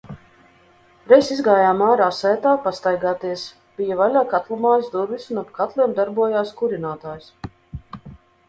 Reiz izgājām ārā sētā pastaigāties bija vaļā katlumājas durvis un ap katliem darbojās kurinātājs.